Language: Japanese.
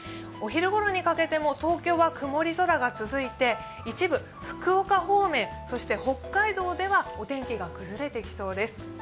お昼ごろにかけても東京は曇り空が続いて一部、福岡方面そして北海道ではお天気が崩れてきそうです。